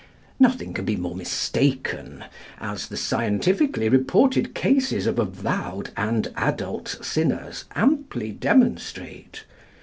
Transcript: Nothing can be more mistaken, as the scientifically reported cases of avowed and adult sinners amply demonstrate.